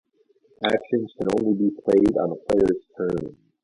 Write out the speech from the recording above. Actions can only be played on a player's turn.